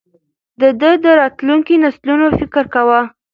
ده د راتلونکو نسلونو فکر کاوه.